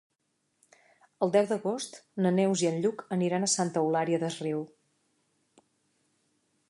El deu d'agost na Neus i en Lluc aniran a Santa Eulària des Riu.